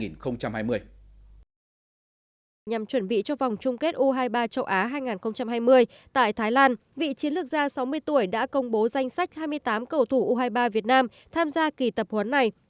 nhằm chuẩn bị cho vòng chung kết u hai mươi ba châu á hai nghìn hai mươi tại thái lan vị chiến lược gia sáu mươi tuổi đã công bố danh sách hai mươi tám cầu thủ u hai mươi ba việt nam tham gia kỳ tập huấn này